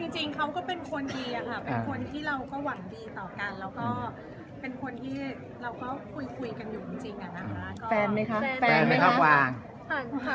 จริงเขาก็เป็นคนดีอะค่ะเป็นคนที่เราก็หวังดีต่อกันแล้วก็เป็นคนที่เราก็คุยกันอยู่จริงอะ